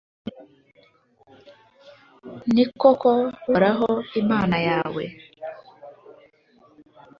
ni koko, uhoraho, imana yawe